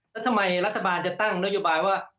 แล้วทำไมรัฐบาลจะตั้งนโยบายว่า